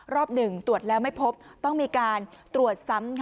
รอบหนึ่งตรวจแล้วไม่พบต้องมีการตรวจซ้ำ